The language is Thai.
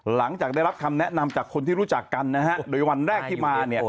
หลังจากได้รับคำแนะนำจากคนที่รู้จักกันนะฮะโดยวันแรกที่มาเนี่ย